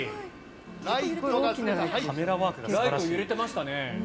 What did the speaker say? ライト、揺れてましたね。